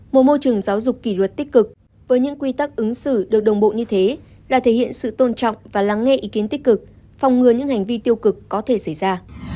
một môi trường giáo dục kỷ luật tích cực với những quy tắc ứng xử được đồng bộ như thế là thể hiện sự tôn trọng và lắng nghe ý kiến tích cực phòng ngừa những hành vi tiêu cực có thể xảy ra